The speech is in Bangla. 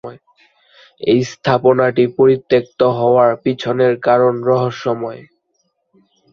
এই স্থাপনাটি পরিত্যক্ত হওয়ার পেছনের কারণ রুহস্যময়।